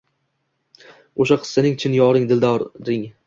O’sha qiz sening chin yoring, dildoring